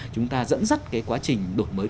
chúng ta dẫn dắt cái quá trình đổi mới